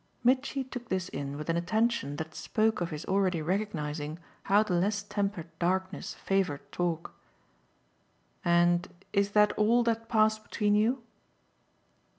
Mitchy took this in with an attention that spoke of his already recognising how the less tempered darkness favoured talk. "And is that all that passed between you?"